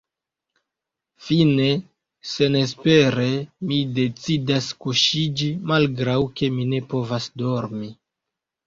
Fine, senespere, mi decidas kuŝiĝi, malgraŭ ke mi ne povas dormi.